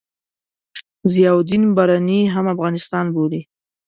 ضیاألدین برني هم افغانستان بولي.